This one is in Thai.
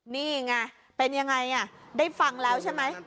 นี่ไงเป็นยังไงได้ฟังแล้วใช่ไหม